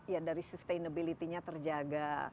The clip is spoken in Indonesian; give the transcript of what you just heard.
ya dari sustainability nya terjaga